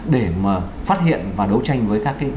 để mà phát hiện và đấu tranh với các cái